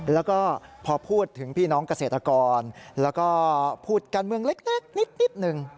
แล้วก็พอพูดถึงพี่น้องเกษตรกรแล้วก็พูดการเมืองเล็กนิดหนึ่ง